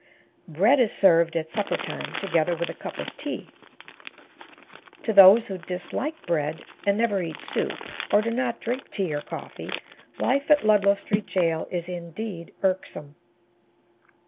Bread is served at supper time, together with a cup of tea. To those who dislike bread and never eat soup, or do not drink tea or coffee, life at Ludlow Street Jail is indeed irksome.